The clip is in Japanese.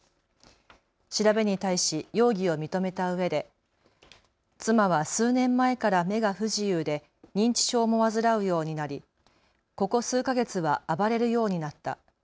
調べに対し容疑を認めたうえで妻は数年前から目が不自由で認知症も患うようになりここ数か月は暴れるようになった。